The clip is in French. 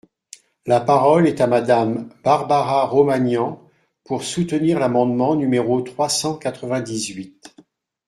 La parole est à Madame Barbara Romagnan, pour soutenir l’amendement numéro trois cent quatre-vingt-dix-huit.